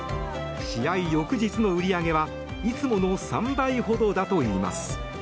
試合翌日の売り上げはいつもの３倍ほどだといいます。